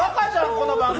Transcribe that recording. この番組。